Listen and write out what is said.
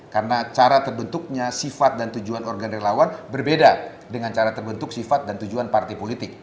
karena cara terbentuknya sifat dan tujuan organ relawan berbeda dengan cara terbentuk sifat dan tujuan partai politik